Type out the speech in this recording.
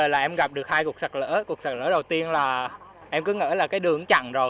là em gặp được hai cuộc sạt lở cuộc sạt lở đầu tiên là em cứ nghĩ là cái đường chặn rồi